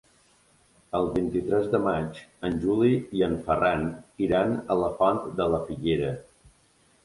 El vint-i-tres de maig en Juli i en Ferran iran a la Font de la Figuera.